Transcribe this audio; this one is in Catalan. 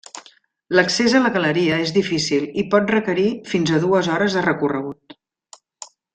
L'accés a la galeria és difícil, i pot requerir fins a dues hores de recorregut.